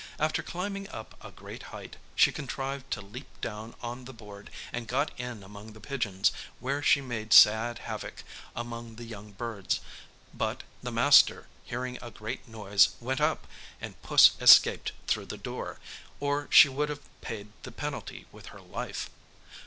After climbing up a great height, she contrived to leap down on the board, and got in among the pigeons, where she made sad havoc among the young birds; but, the master hearing a great noise, went up, and Puss escaped through the door, or she would have paid the penalty with her life.